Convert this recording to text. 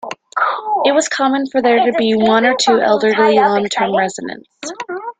It was common for there to be one or two elderly long-term residents.